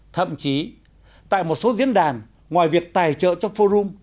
thậm chí tại một số diễn đàn ngoài việc tài trợ cho forum